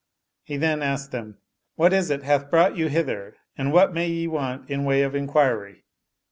He then asked them, " What is it hath brought you hither and what may ye want in the way of inquiry?